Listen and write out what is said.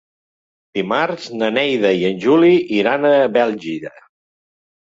Dimarts na Neida i en Juli iran a Bèlgida.